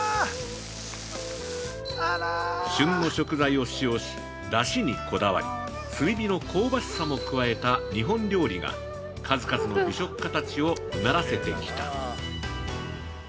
旬の食材を使用し、だしにこだわり、炭火の香ばしさも加えた日本料理が数々の美食家たちをうならせてきた。